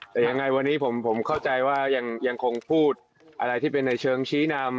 แต่ยังไงวันนี้ผมเข้าใจว่ายังคงพูดอะไรที่เป็นในเชิงชี้นำ